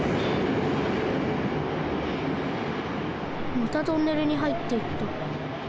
またトンネルにはいっていった。